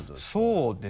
そうですね。